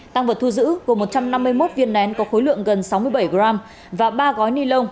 tăng vật thu giữ gồm một trăm năm mươi một viên nén có khối lượng gần sáu mươi bảy g và ba gói ni lông